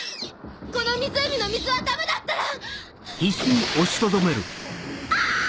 この湖の水はダメだったら！